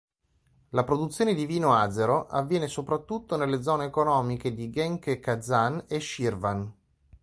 La produzione di vino azero avviene soprattutto nelle zone economiche di Gäncä-Qazakh e Shirvan.